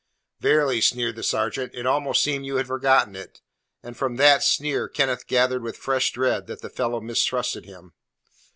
"Verily," sneered the sergeant, "it almost seemed you had forgotten it." And from that sneer Kenneth gathered with fresh dread that the fellow mistrusted him.